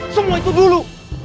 semua itu dulu